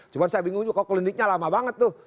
cuma saya bingung juga kok kliniknya lama banget tuh